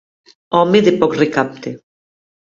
Home de poc recapte.